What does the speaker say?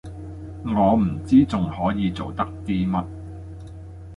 我唔知仲可以做得啲乜